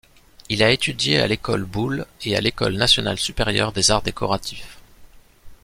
Il a étudié à l’école Boulle et à l’École nationale supérieure des arts décoratifs.